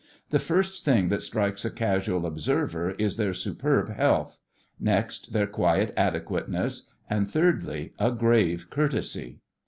The first thing that strikes a casual observer is their superb health; next, their quiet adequateness; and thirdly, a grave courtesy.